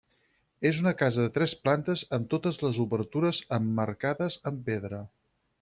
És una casa de tres plantes amb totes les obertures emmarcades amb pedra.